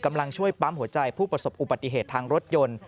กำลังช่วยปั๊มหัวใจผู้ประสบอุบัติเหตุทางรถยนต์